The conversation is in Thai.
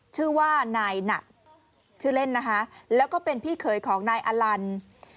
ชื่อว่านายหนัดชื่อเล่นนะคะแล้วก็เป็นพี่เคยของนายอลัน